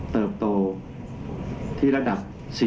เติบโตที่ระดับ๔๐